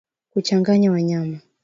Kuchanganya wanyama